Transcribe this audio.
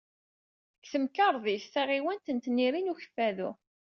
Deg temkerḍit taɣiwant n Tniri n Ukeffadu.